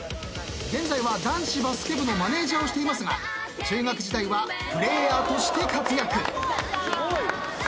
現在は男子バスケ部のマネジャーをしていますが中学時代はプレーヤーとして活躍。